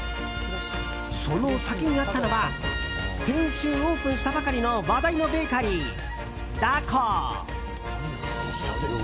その先にあったのは先週オープンしたばかりの話題のベーカリー、ダコー。